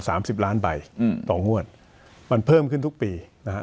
โบสถ์สามสิบล้านใบต่องวดมันเพิ่มขึ้นทุกปีนะฮะ